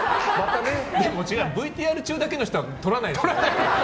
ＶＴＲ中だけの人は取らないです。